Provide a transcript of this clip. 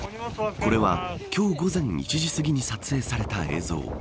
これは今日午前１時すぎに撮影された映像。